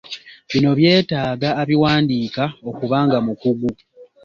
Bino byetaaga abiwandiika okuba nga mukugu.